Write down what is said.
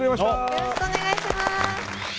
よろしくお願いします。